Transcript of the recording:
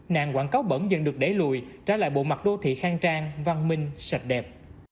nạn quảng cáo bẩn dần được đẩy lùi trả lại bộ mặt đô thị khang trang văn minh sạch đẹp